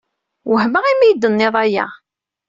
Wehmeɣ imi ay d-tennid aya.